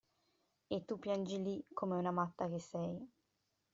E tu piangi lì come una matta che sei.